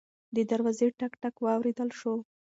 د دروازې ټک ټک واورېدل شو.